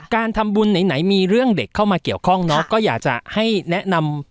การทำบุญไหนมีเรื่องเด็กเข้ามาเกี่ยวข้องเนอะก็อยากจะให้แนะนำ